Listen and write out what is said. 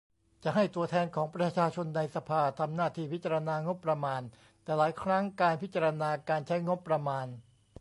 จะให้ตัวแทนของประชาชนในสภา ทำหน้าที่พิจารณางบประมาณ แต่หลายครั้งการพิจารณาการใช้งบประมาณ